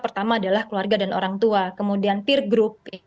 pertama adalah keluarga dan orang tua kemudian peer group